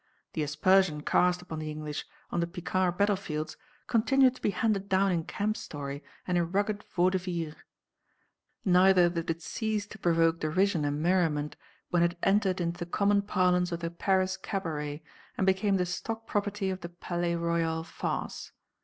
The aspersion cast upon the English on the Picard battle fields continued to be handed down in camp story and in rugged vaux de vire. Neither did it cease to provoke derision and merriment when it had entered into the common parlance of the Paris cabaret, and became the stock property of the Palais Royal farce.